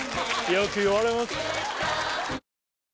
よく言われます